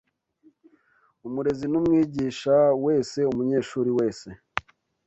umurezi n’umwigisha wese, umunyeshuri wese